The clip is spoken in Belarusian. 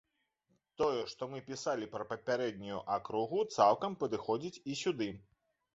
Тое, што мы пісалі пра папярэднюю акругу, цалкам падыходзіць і сюды.